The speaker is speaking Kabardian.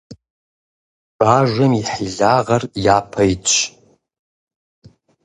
Бажэм и хьилагъэр япэ итщ.